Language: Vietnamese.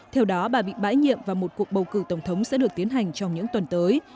theo đó bà bị bãi nhiệm và một cuộc bầu cử tổng thống sẽ được tiến hành trong những tuần tới